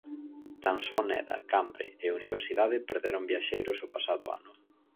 Tan só Neda, Cambre e Universidade perderon viaxeiros o pasado ano.